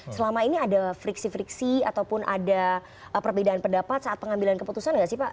selama ini ada friksi friksi ataupun ada perbedaan pendapat saat pengambilan keputusan nggak sih pak